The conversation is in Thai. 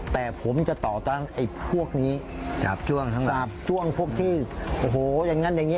แต่ผมจะต่อต้านไอ้พวกนี้ช่วงพวกที่โอ้โหอย่างนั้นอย่างนี้